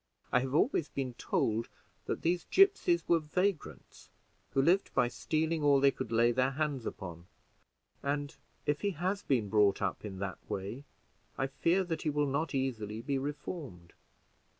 I have always been told that these gipsies were vagrants, who lived by stealing all they could lay their hands upon; and, if he has been brought up in that way, I fear that he will not easily be reformed.